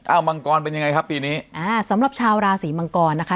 มังกรเป็นยังไงครับปีนี้อ่าสำหรับชาวราศีมังกรนะคะ